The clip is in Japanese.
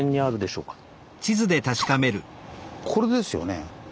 これですよね。